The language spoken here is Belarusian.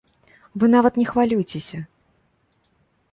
Вы нават не хвалюйцеся!